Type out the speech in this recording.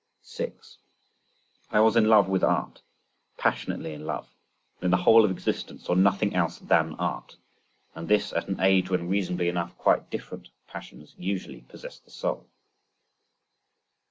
6. I was in love with art, passionately in love, and in the whole of existence saw nothing else than art—and this at an age when, reasonably enough, quite different passions usually possess the soul.